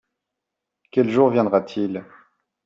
Quel jour viendra-t-il ?